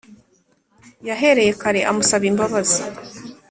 yahereye kare amusaba imbabazi